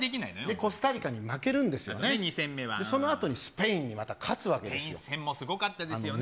コスタリカに負けるんですよ、そのあとにスペインに勝つわけでスペイン戦もすごかったですよ。